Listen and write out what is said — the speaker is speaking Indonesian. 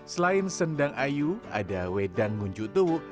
selain sendang ayu ada wedang ngunjuk tuwuk